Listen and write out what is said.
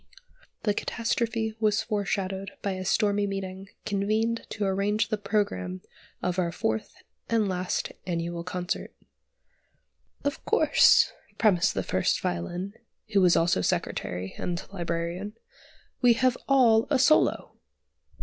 The catastrophe was foreshadowed by a stormy meeting convened to arrange the programme of our fourth and last annual concert. "Of course," premised the First Violin, who was also Secretary and Librarian, "we have all a solo!"